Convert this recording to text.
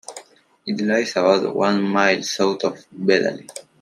It lies about one mile south of Bedale.